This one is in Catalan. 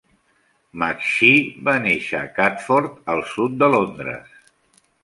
McShee va néixer a Catford, al sud de Londres.